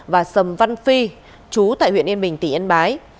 và sầm văn phi chú tại huyện yên bình tỉ yên bái